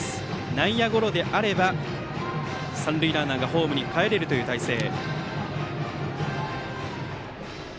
内野ゴロであれば三塁ランナーがホームにかえれる態勢。